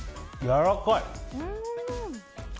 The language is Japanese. やわらかい。